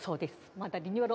まだリニューアル